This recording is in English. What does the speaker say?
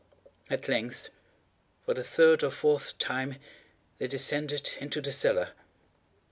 At length, for the third or fourth time, they descended into the cellar.